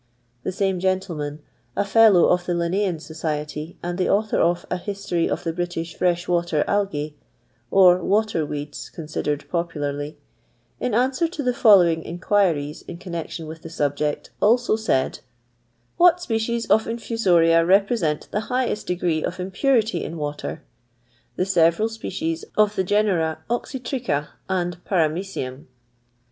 The same gentleman (a Mow of the Linnaean Society, and the author of " A History of the British Fresh water Algae," or water weeds con sidered popularly), in answer to the following inquiries in connection with this subject, also said :—" What species of infusoria represent the highest degree of impurity in water 1" "The several species of the genera Oxtftricha, and Faraau cium.